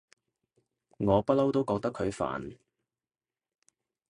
我不嬲都覺得佢煩